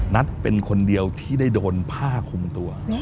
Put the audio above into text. นัทเป็นคนเดียวที่ได้โดนผ้าคุมตัว